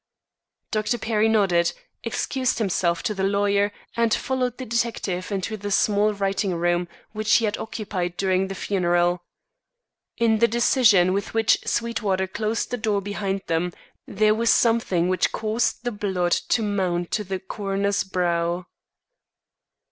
Dr. Perry nodded, excused himself to the lawyer and followed the detective into the small writing room which he had occupied during the funeral. In the decision with which Sweetwater closed the door behind them there was something which caused the blood to mount to the coroner's brow.